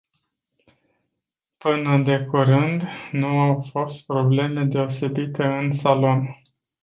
Până de curând nu au fost probleme deosebite în salon.